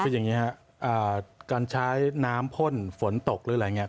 คืออย่างนี้ครับการใช้น้ำพ่นฝนตกหรืออะไรอย่างนี้